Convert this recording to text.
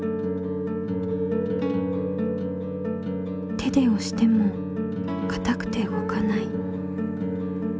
手でおしてもかたくて動かない。